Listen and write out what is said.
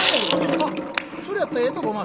「あっそれやったらええとこおまっせ」。